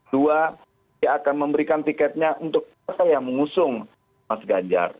dua dia akan memberikan tiketnya untuk partai yang mengusung mas ganjar